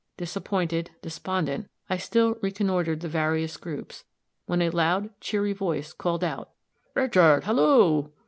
Disappointed, despondent, I still reconnoitered the various groups, when a loud, cheery voice called out, "Richard, halloo!"